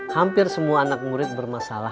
hampir semua anak murid bermasalah